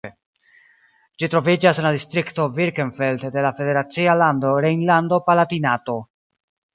Ĝi troviĝas en la distrikto Birkenfeld de la federacia lando Rejnlando-Palatinato.